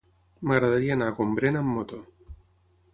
M'agradaria anar a Gombrèn amb moto.